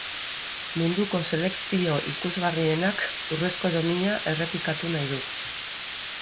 Munduko selekzio ikusgarrienak urrezko domina errepikatu nahi du.